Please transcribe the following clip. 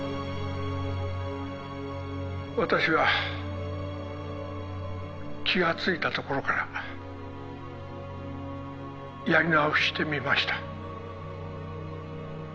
私は気がついたところからやり直してみました